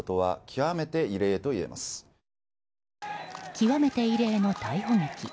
極めて異例の逮捕劇。